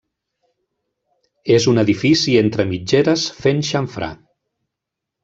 És un edifici entre mitgeres fent xamfrà.